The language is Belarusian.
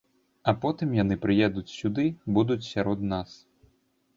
А потым яны прыедуць сюды, будуць сярод нас.